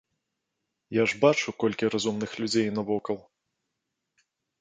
Я ж бачу, колькі разумных людзей навокал.